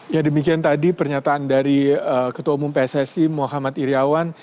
ya demikian tadi pernyataan dari ketua umum pssi muhammad iryawan